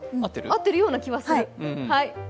合ってるような気がする。